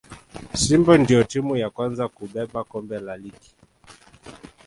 simba ndiyo timu ya kwanza kubeba kombe la ligi